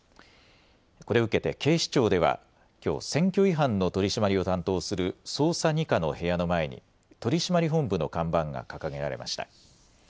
これを受けて警視庁ではきょう選挙違反の取締りを担当する捜査２課の部屋の前に取締本部の看板が掲げられました。